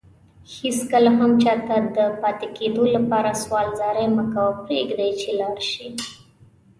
هيڅ کله هم چاته دپاتي کيدو لپاره سوال زاری مکوه پريږده چي لاړشي